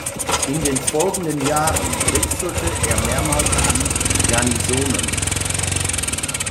In den folgenden Jahren wechselte er mehrmals die Garnisonen.